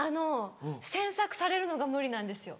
詮索されるのが無理なんですよ